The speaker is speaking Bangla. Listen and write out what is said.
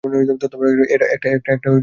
একটা দল হিসাবে।